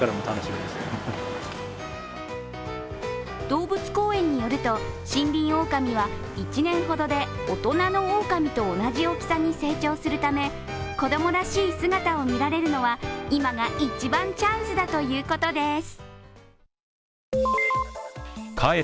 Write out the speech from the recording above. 動物公園によるとシンリンオオカミは１年ほどで大人のオオカミと同じ大きさに成長するため子供らしい姿を見られるのは、今が一番チャンスだということです。